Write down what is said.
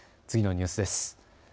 次のニュースです。